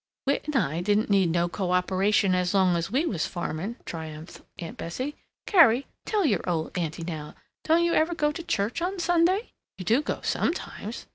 "Whit and I didn't need no co operation as long as we was farming!" triumphed Aunt Bessie. "Carrie, tell your old auntie now: don't you ever go to church on Sunday? You do go sometimes?